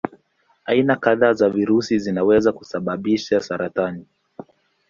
Aina kadhaa za virusi zinaweza kusababisha saratani.